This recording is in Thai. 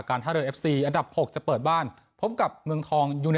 การท่าเลย์อันดับสองจะเปิดบ้านพบกับเมืองทอง